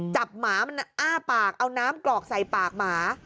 หมามันอ้าปากเอาน้ำกรอกใส่ปากหมา